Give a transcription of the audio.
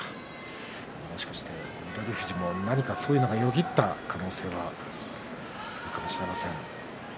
もしかして翠富士もそういうのがよぎった可能性があるかもしれません。